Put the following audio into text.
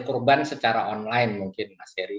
korban secara online mungkin mas heri